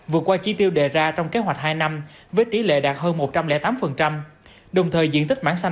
vượt qua trí tiêu đề ra trong kế hoạch hai năm với tỷ lệ đạt hơn một trăm linh tám đồng thời diện tích mảng xanh